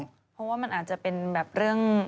เพราะว่ามันอาจจะเป็นแบบเรื่อง